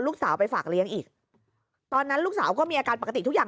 ลูกสาวไปฝากเลี้ยงอีกตอนนั้นลูกสาวก็มีอาการปกติทุกอย่าง